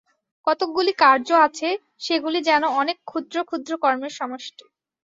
কতকগুলি কার্য আছে, সেগুলি যেন অনেক ক্ষুদ্র ক্ষুদ্র কর্মের সমষ্টি।